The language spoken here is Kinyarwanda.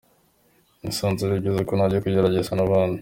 Nasanze ari byiza ko najya kugerageza n’ahandi.